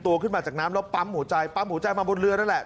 ตัวขึ้นมาจากน้ำแล้วปั๊มหัวใจปั๊มหัวใจมาบนเรือนั่นแหละ